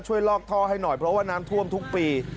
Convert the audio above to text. ลอกท่อให้หน่อยเพราะว่าน้ำท่วมทุกปี